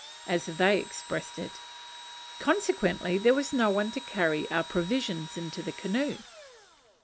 as they expressed it: consequently there was no one to carry our provisions into the canoe.